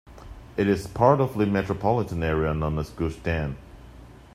It is part of the metropolitan area known as Gush Dan.